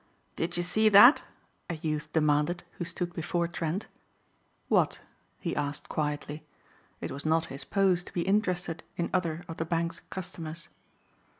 "Did yer see that?" a youth demanded who stood before Trent. "What?" he asked quietly. It was not his pose to be interested in other of the bank's customers.